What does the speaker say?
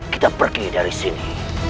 kita pergi dari sini